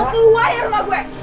kau keluar dari rumah gue